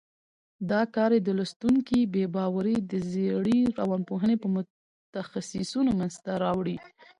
دا کار یې د لوستونکي بې باوري د زېړې روانپوهنې په متخصیصینو منځته راوړي.